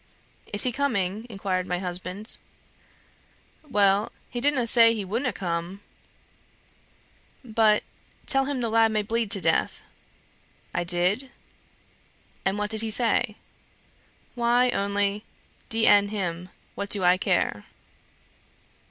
"Is he coming?" inquired my husband. "Well, he didna' say he wouldna' come." "But, tell him the lad may bleed to death." "I did." "And what did he say?" "Why, only, 'D n him; what do I care?'"